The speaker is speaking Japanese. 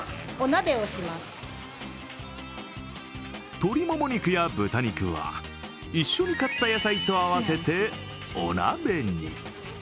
鳥もも肉や豚肉は、一緒に買った野菜と合わせてお鍋に。